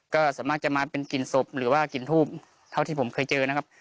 ก็ส่วนมากจะมาเป็นกลิ่นศพหรือว่ากลิ่นทูบเท่าที่ผมเคยเจอนะครับ